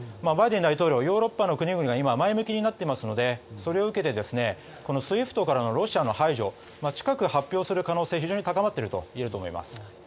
バイデン大統領はヨーロッパの国々が今、前向きになっていますのでそれを受けてＳＷＩＦＴからのロシアの排除近く発表する可能性が非常に高まっているといえます。